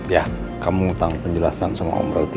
ya kamu utang penjelasan sama om roti